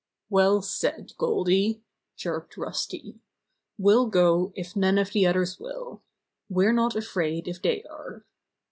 "Well said, Goldy," chirped Rusty. 'We'll go if none of the others will. We're not afraid if they are."